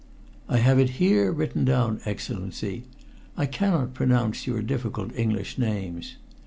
"I have it here written down, Excellency. I cannot pronounce your difficult English names."